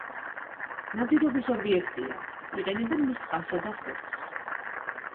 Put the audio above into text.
ნადირობის ობიექტია, იყენებენ მის ტყავსა და ხორცს.